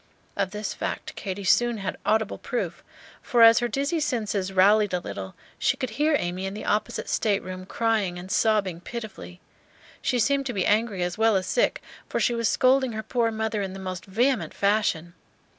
Of this fact Katy soon had audible proof; for as her dizzy senses rallied a little, she could hear Amy in the opposite stateroom crying and sobbing pitifully. She seemed to be angry as well as sick, for she was scolding her poor mother in the most vehement fashion.